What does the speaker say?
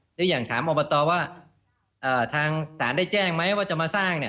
หรืออย่างถามอบตว่าทางศาลได้แจ้งไหมว่าจะมาสร้างเนี่ย